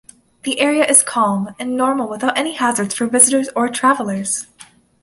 The area is calm and normal without any hazards for visitors and travelers.